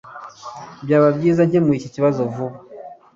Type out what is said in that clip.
Byaba byiza nkemuye iki kibazo vuba